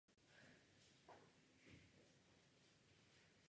I o poslanecký mandát přišla oficiálně kvůli zanedbávání svých povinností.